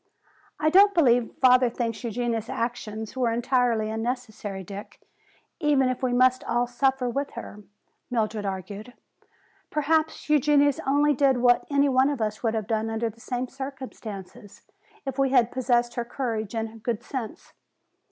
"I don't believe father thinks Eugenia's action was entirely unnecessary, Dick, even if we must all suffer with her," Mildred argued. "Perhaps Eugenia only did what any one of us would have done under the same circumstances, if we had possessed her courage and good sense.